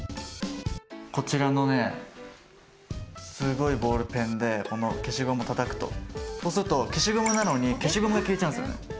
こちらのねすごいボールペンでこの消しゴムたたくとそうすると消しゴムなのに消しゴムが消えちゃうんですよね。